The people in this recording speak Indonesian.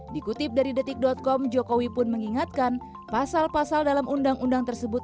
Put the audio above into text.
dikutip dari detik com jokowi pun mengingatkan pasal pasal dalam undang undang tersebut